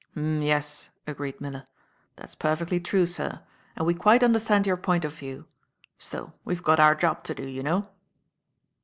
'" "M'yes," agreed Miller, "that's perfectly true, sir, and we quite understand your point of view. Still, we've got our job to do, you know."